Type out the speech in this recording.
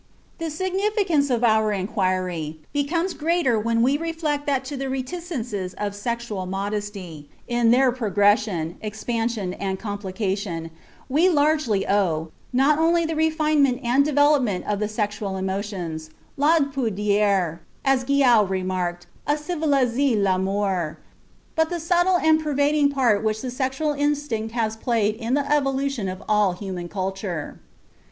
The significance of our inquiry becomes greater when we reflect that to the reticences of sexual modesty, in their progression, expansion, and complication, we largely owe, not only the refinement and development of the sexual emotions, "la pudeur" as Guyau remarked, "a civilisé l'amour" but the subtle and pervading part which the sexual instinct has played in the evolution of all human culture.